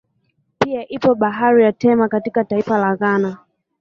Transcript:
Pia ipo bandari ya Tema katika taifa hilo la Ghana